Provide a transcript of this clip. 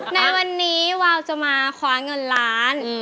ในวันนี้วาวจะมาคว้าเงินล้าน